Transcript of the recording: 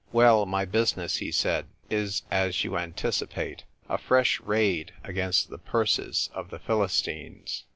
" Well, my business," he said, "is, as you anticipate, a fresh raid against the purses of the Philistines.